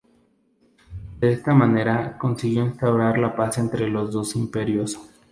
De esta manera, consiguió instaurar la paz entre los dos imperios.